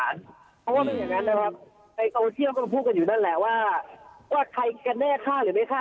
ในโซเชียลพูดอยู่แน่ว่าใครมีแน่ค่าหรือไม่ค่า